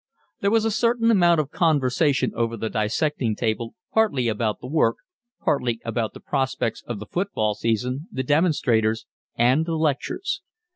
There was a certain amount of conversation over the dissecting table, partly about the work, partly about the prospects of the football season, the demonstrators, and the lectures.